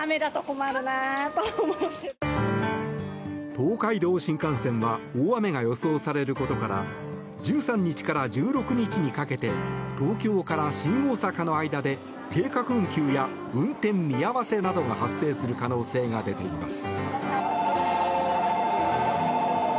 東海道新幹線は大雨が予想されることから１３日から１６日にかけて東京から新大阪の間で計画運休や運転見合わせなどが発生する可能性が出ています。